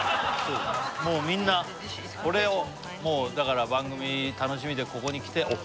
もうみんなこれをだから番組楽しみでここに来ておっ